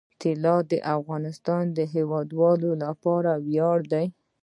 طلا د افغانستان د هیوادوالو لپاره ویاړ دی.